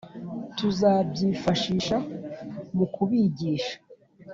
tuzabyifashisha mu kubigisha.